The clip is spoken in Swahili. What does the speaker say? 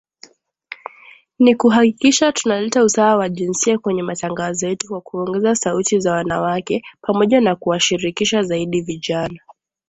Ni kuhakikisha tunaleta usawa wa jinsia kwenye matangazo yetu kwa kuongeza sauti za wanawake, pamoja na kuwashirikisha zaidi vijana.